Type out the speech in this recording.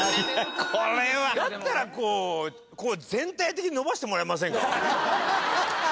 だったらこう全体的に伸ばしてもらえませんか。